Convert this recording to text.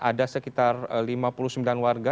ada sekitar lima puluh sembilan warga